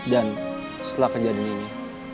dan setelah kejadian ini